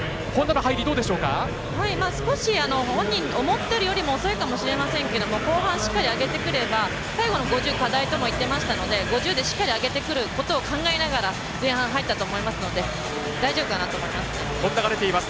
少し本人思ったより遅いかもしれませんけど、後半上げてくれば、最後の５０課題とも言ってましたし５０で、しっかり上げてくることを考えながら前半入ったと思いますので大丈夫かなと思います。